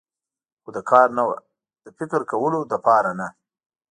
خو د کار نه و، د فکر کولو لپاره نه.